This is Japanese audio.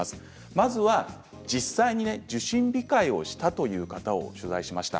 まずは実際に受診控えをしたという方を取材しました。